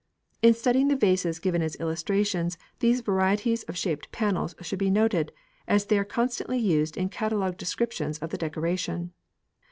In studying the vases given as illustrations these varieties of shaped panels should be noted, as they are constantly used in catalogue descriptions of the decoration.